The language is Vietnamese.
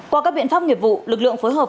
qua các biện pháp nghiệp vụ lực lượng phối hợp